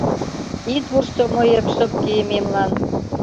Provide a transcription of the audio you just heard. — Ит вурсо мыйым шып кийымемлан.